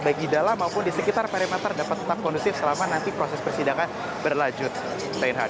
baik di dalam maupun di sekitar perimeter dapat tetap kondusif selama nanti proses persidangan berlanjut